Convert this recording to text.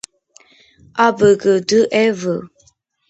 აბგდევ